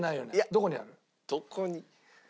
どこにある？